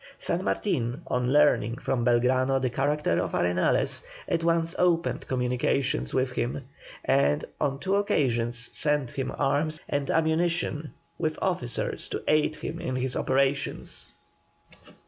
San Martin, on learning from Belgrano the character of Arenales, at once opened communications with him, and on two occasions sent him arms and ammunition, with officers, to aid him in his operations.